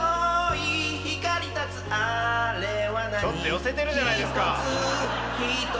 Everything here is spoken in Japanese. ちょっと寄せてるじゃないですか。